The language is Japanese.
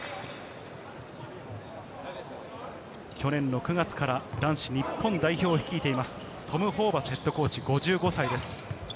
去年の９月から男子日本代表を率いています、トム・ホーバスＨＣ、５５歳です。